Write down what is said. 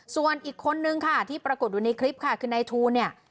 ส่วนอีกคนนึงค่ะที่ปรากฏอยู่ในคลิปค่ะคือนายทูลเนี่ย